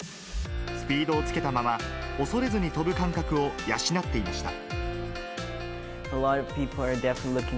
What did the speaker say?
スピードをつけたまま、恐れずに跳ぶ感覚を養っていました。